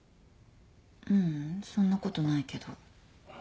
ううんそんなことないけど。